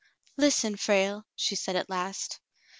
"Listen, Frale," she said at last.